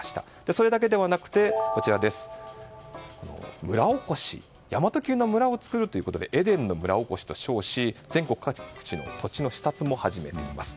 それだけではなく村おこし、神真都Ｑの村を作るということでエデンの村興しと称し全国各地の土地の視察も始めています。